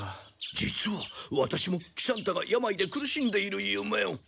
実はワタシも喜三太が病で苦しんでいる夢を。